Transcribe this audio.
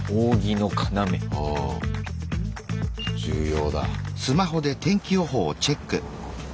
重要だ。